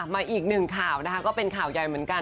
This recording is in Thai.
อีกหนึ่งข่าวนะคะก็เป็นข่าวใหญ่เหมือนกัน